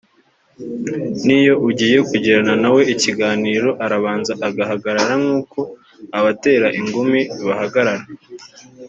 n’iyo ugiye kugirana nawe ikiganiro arabanza agahagarara nk’uko abatera ingumi bahagarara